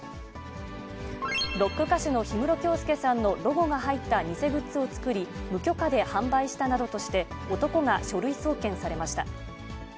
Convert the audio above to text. ロック歌手の氷室京介さんのロゴが入った偽グッズを作り、無許可で販売したなどとして、男が書類送検されました。